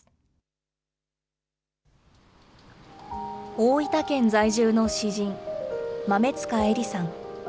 大分県在住の詩人、豆塚エリさん。